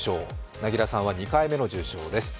凪良さんは２回目の受賞です。